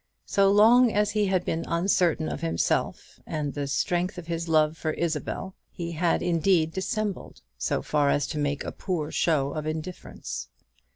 So long as he had been uncertain of himself, and the strength of his love for Isabel, he had indeed dissembled, so far as to make a poor show of indifference.